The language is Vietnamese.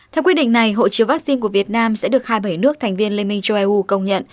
theo quyết định này hộ chiếu vắc xin của việt nam sẽ được hai mươi bảy nước thành viên liên minh châu eu công nhận